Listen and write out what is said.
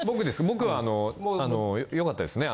僕はよかったですね。